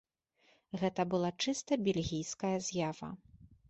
Гэта была чыста бельгійская з'ява.